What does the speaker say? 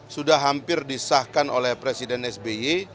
sudah hampir disahkan oleh presiden sby